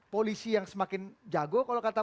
polisi yang semakin jago kalau kata